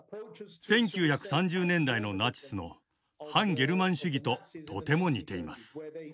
１９３０年代のナチスの「汎ゲルマン主義」ととても似ています。